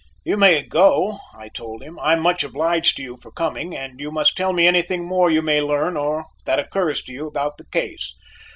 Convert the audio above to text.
"You may go," I told him; "I am much obliged to you for coming, and you must tell me anything more you may learn or that occurs to you about the case."